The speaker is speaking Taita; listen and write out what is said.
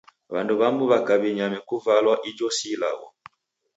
W'andu w'amu w'aka w'inyame kuvalwa--ijo si ilagho.